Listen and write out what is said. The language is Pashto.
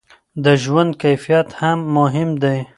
د ژوند کیفیت هم مهم دی.